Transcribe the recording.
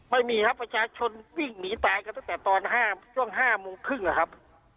ไม่มีครับประชาชนวิ่งหนีตายกันตั้งแต่ตอนช่วง๕โมงครึ่งนะครับ